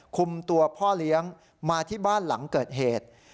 คุมตัวพ่อเลี้ยงมาที่บ้านหลังเกิดเหตุ